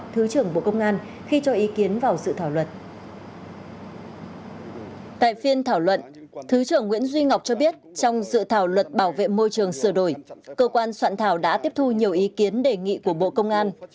thứ trưởng nguyễn duy ngọc cho biết trong dự thảo luật bảo vệ môi trường sửa đổi cơ quan soạn thảo đã tiếp thu nhiều ý kiến đề nghị của bộ công an